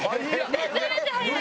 めちゃめちゃ早い！